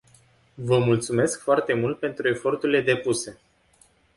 Vă mulțumesc foarte mult pentru eforturile depuse.